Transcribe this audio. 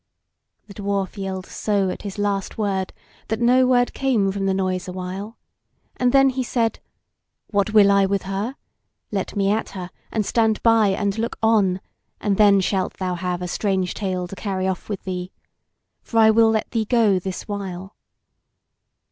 The Dwarf yelled so at his last word, that no word came from the noise a while, and then he said: "What will I with her? Let me at her, and stand by and look on, and then shalt thou have a strange tale to carry off with thee. For I will let thee go this while."